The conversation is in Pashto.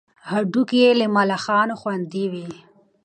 هډوکي یې له ملخانو خوندي وي.